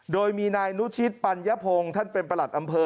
โดยมีนายนุชิตปัญญพงศ์ท่านเป็นประหลัดอำเภอ